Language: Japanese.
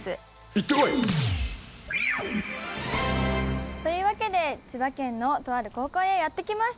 行ってこい！というわけで千葉県のとある高校へやって来ました！